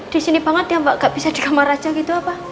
di sini banget ya mbak gak bisa di kamar aja gitu apa